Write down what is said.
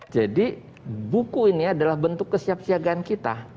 jadi buku ini adalah bentuk kesiapsiagaan kita